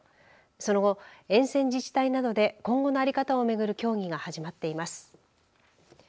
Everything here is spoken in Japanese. その後、沿線自治体などで今後の在り方を巡る協議が始まっています。